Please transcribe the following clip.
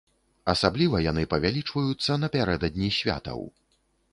Асабліва яны павялічваюцца напярэдадні святаў.